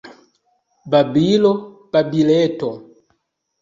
Babilo, babileto!